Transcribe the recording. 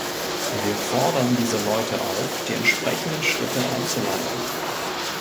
Wir fordern diese Leute auf, die entsprechenden Schritte einzuleiten!